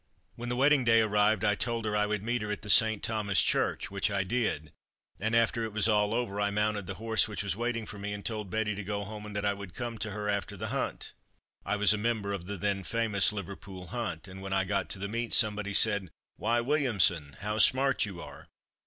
When the wedding day arrived I told her I would meet her at the (St. Thomas') church, which I did, and after it was all over I mounted the horse which was waiting for me, and told Betty to go home and that I would come to her after the Hunt. I was a member of the then famous 'Liverpool Hunt,' and when I got to the Meet somebody said, 'Why, Williamson, how smart you are!'